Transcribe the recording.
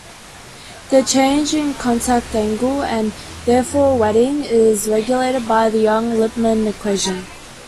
The change in contact angle, and therefore wetting, is regulated by the Young-Lipmann equation.